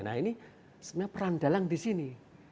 nah ini sebenarnya perandalang di sini